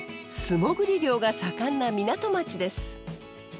もぐり漁が盛んな港町です。